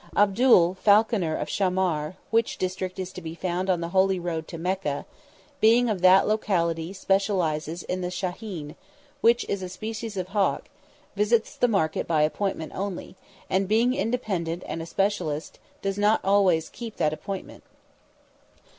Abdul, falconer of Shammar which district is to be found on the holy road to Mecca being of that locality specialises in the shahin, which is a species of hawk; visits the market by appointment only, and, being independent and a specialist, does not always keep that appointment.